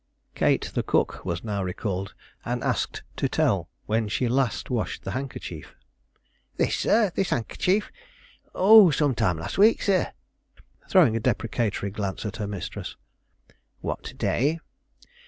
Kate, the cook, was now recalled, and asked to tell when she last washed the handkerchief? "This, sir; this handkerchief? Oh, some time this week, sir," throwing a deprecatory glance at her mistress. "What day?"